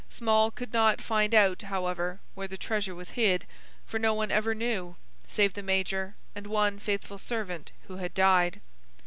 Small could not find out, however, where the treasure was hid, for no one ever knew, save the major and one faithful servant who had died.